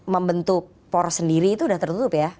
membentuk poros sendiri itu sudah tertutup ya